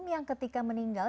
yang ketika meninggal